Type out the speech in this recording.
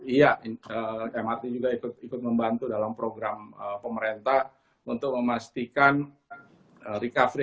iya mrt juga ikut membantu dalam program pemerintah untuk memastikan recovery